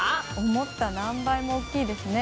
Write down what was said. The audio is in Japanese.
思った何倍も大きいですね。